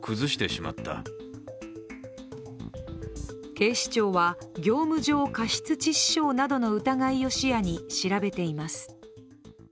警視庁は業務上過失致死傷などの疑いを視野に調べています。